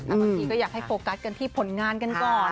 แต่บางทีก็อยากให้โฟกัสกันที่ผลงานกันก่อน